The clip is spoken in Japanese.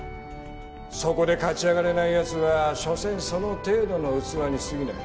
そこで勝ち上がれない奴はしょせんその程度の器に過ぎない。